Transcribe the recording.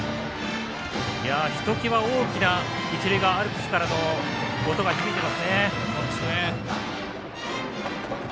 ひときわ大きな一塁側アルプスからの音が響いてますね。